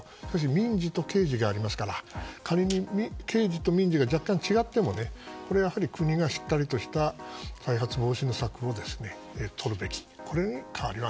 民事と刑事がありますから仮に刑事と民事が若干違ってもこれは国がしっかりとした再発防止の策を取るべき。